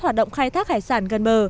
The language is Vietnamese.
hoạt động khai thác hải sản gần bờ